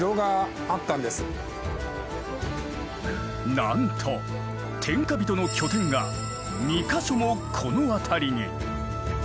なんと天下人の拠点が２か所もこの辺りに。